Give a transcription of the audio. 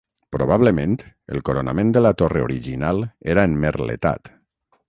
Probablement, el coronament de la torre original era emmerletat.